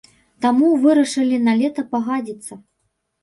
Таму вырашылі на лета пагадзіцца.